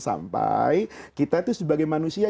sampai kita itu sebagai manusia